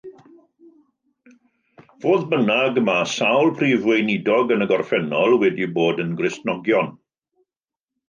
Fodd bynnag, mae sawl Prif Weinidog yn y gorffennol wedi bod yn Gristnogion.